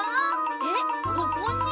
えっここに？